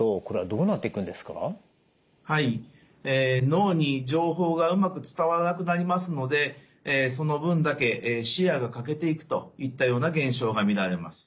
脳に情報がうまく伝わらなくなりますのでその分だけ視野が欠けていくといったような現象が見られます。